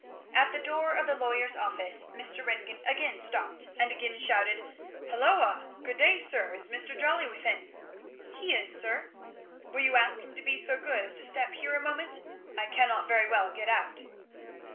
At the door of the lawyer's office Mr. Ringgan again stopped, and again shouted "Holloa!" "Good day, sir. Is Mr. Jolly within?" "He is, sir." "Will you ask him to be so good as to step here a moment? I cannot very well get out."